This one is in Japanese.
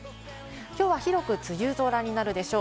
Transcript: きょうは広く梅雨空になるでしょう。